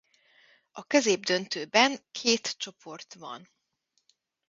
A középdöntőben két csoport van.